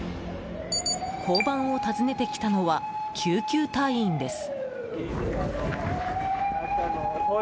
交番を訪ねてきたのは救急隊員です。